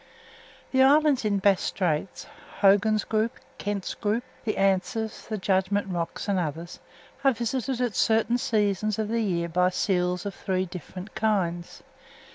The islands in Bass' Straits, Hogan's Group, Kent's Group, the Answers, the Judgment Rocks, and others, are visited at certain seasons of the year by seals of three different kinds viz.